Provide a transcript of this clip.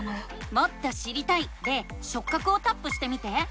「もっと知りたい」で「しょっ角」をタップしてみて。